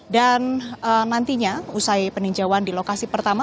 dan nantinya usai peninjauan di lokasi pertama